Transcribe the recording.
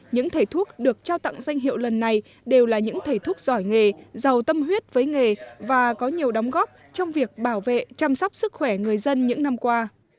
những thầy thuốc được trao tặng danh hiệu lần này đều là những thầy thuốc giỏi nghề giàu tâm huyết với nghề và có nhiều đóng góp trong việc bảo vệ chăm sóc sức khỏe người dân những năm qua